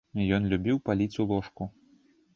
Ён любіў паліць у ложку.